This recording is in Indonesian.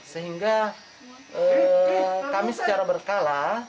sehingga kami secara berkala